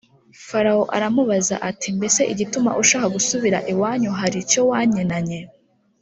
Farawo aramubaza ati “Mbese igituma ushaka gusubira iwanyu hari icyo wankenanye?”